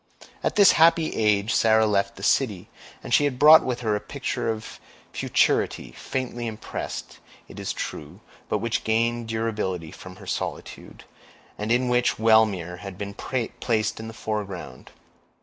At this happy age Sarah left the city, and she had brought with her a picture of futurity, faintly impressed, it is true, but which gained durability from her solitude, and in which Wellmere had been placed in the foreground.